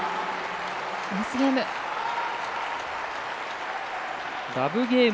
ナイスゲーム。